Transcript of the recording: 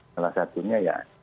salah satunya ya